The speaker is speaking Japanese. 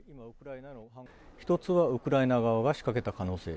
１つはウクライナ側が仕掛けた可能性。